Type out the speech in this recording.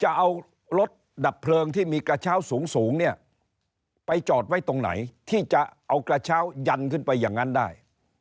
จะเอารถดับเพลิงที่มีกระเช้าสูงเนี่ยไปจอดไว้ตรงไหนที่จะเอากระเช้ายันขึ้นไปอย่างนั้นได้